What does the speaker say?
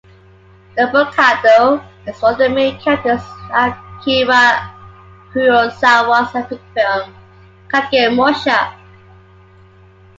Nobukado is one of the main characters in Akira Kurosawa's epic film "Kagemusha".